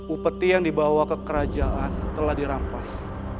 upeti yang dibawa ke kerajaan telah dirampas